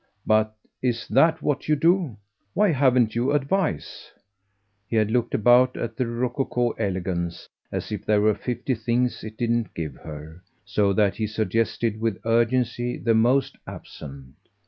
But is THAT what you do? Why haven't you advice?" He had looked about at the rococo elegance as if there were fifty things it didn't give her, so that he suggested with urgency the most absent.